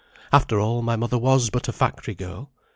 After all, my mother was but a factory girl."